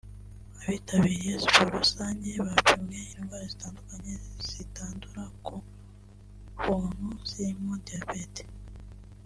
Abitabiriye siporo rusange bapimwe indwara zitandukanye zitandura ku buntu zirimo diabète